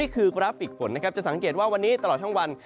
คือกราฟิกฝนนะครับจะสังเกตว่าวันนี้ตลอดทั้งวัน